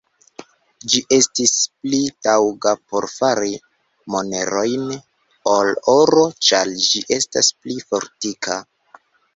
Ĝi estis pli taŭga por fari monerojn ol oro, ĉar ĝi estas pli fortika.